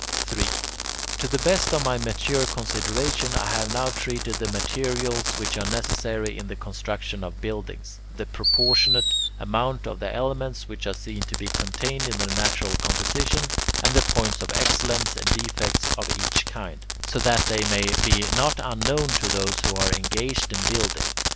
3. To the best of my mature consideration, I have now treated the materials which are necessary in the construction of buildings, the proportionate amount of the elements which are seen to be contained in their natural composition, and the points of excellence and defects of each kind, so that they may be not unknown to those who are engaged in building.